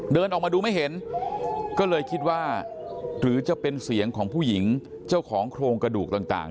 เดินออกมาดูไม่เห็นก็เลยคิดว่าหรือจะเป็นเสียงของผู้หญิงเจ้าของโครงกระดูกต่าง